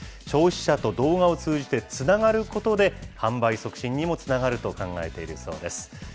消費者と動画を通じてつながることで、販売促進にもつながると考えているそうです。